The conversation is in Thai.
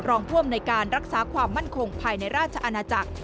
รองผู้อำนวยการรักษาความมั่นคงภายในราชอาณาจักร